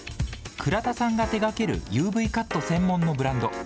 倉田さんが手がけるＵＶカット専門のブランド。